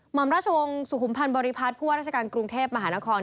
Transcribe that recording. หมอมราชวงศ์สุขุมพันธ์บริพัฒน์ผู้ว่าราชการกรุงเทพมหานคร